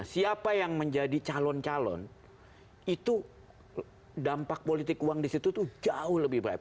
siapa yang menjadi calon calon itu dampak politik uang di situ itu jauh lebih baik